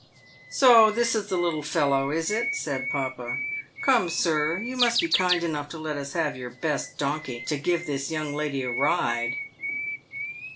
" So this is the little fellow, is it ?" said papa. " Come, sir, you must be kind enough to let us have your best donkey, to give this young lady a ride."